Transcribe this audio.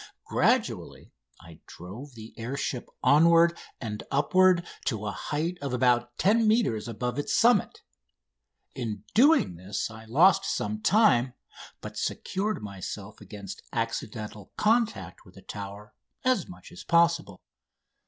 Gradually I drove the air ship onward and upward to a height of about 10 metres above its summit. In doing this I lost some time, but secured myself against accidental contact with the Tower as much as possible.